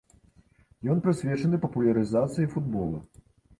Ён прысвечаны папулярызацыі футбола.